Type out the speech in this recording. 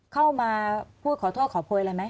เข้ามาพูดขอโทษขอโพยอะไรไหม